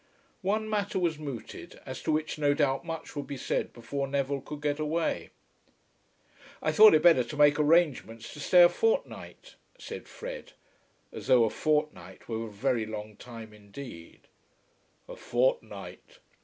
One matter was mooted as to which no doubt much would be said before Neville could get away. "I thought it better to make arrangements to stay a fortnight," said Fred, as though a fortnight were a very long time indeed. "A fortnight!"